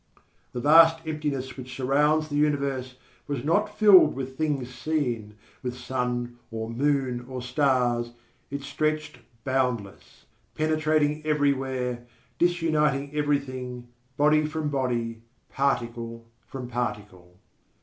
_The vast emptiness which surrounds the universe, was not filled with things seen, with sun or moon or stars; it stretched boundless, penetrating everywhere, disuniting everything, body from body, particle from particle_.